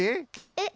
えっ？